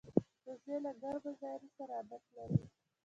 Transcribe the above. وزې له ګرمو ځایونو سره عادت لري